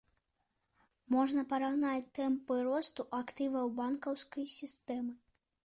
Можна параўнаць тэмпы росту актываў банкаўскай сістэмы.